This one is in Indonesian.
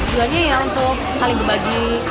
tujuannya ya untuk saling berbagi